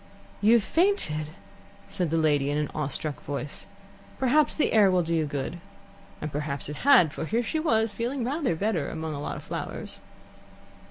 "You have fainted," said the lady in an awe struck voice. "Perhaps the air will do you good." And perhaps it had, for here she was, feeling rather better among a lot of flowers.